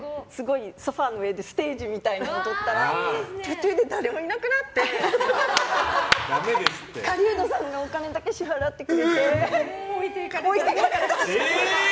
ソファーの上でステージみたいに踊ったら途中で誰もいなくなって狩人さんがお金だけ支払ってくれて置いて行かれて。